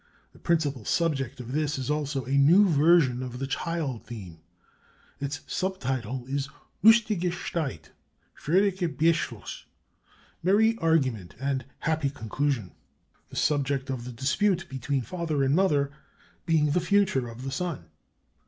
The principal subject of this is also a new version of the child theme. Its sub title is Lustiger Streit Fröhlicher Beschluss ('Merry Argument' 'Happy Conclusion'), the subject of the dispute between father and mother being the future of the son.